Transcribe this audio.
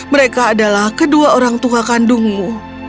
mereka adalah kedua orang tua kandungmu